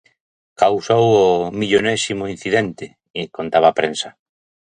Causou o "millonésimo incidente", contaba a prensa.